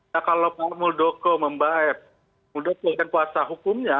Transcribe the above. dugaan sudah menuliskan puasa hukumnya